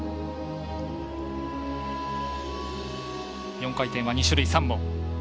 ４回転は２種類３本。